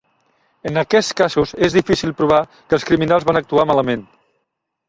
En aquest casos, és difícil provar que els criminals van actuar malament.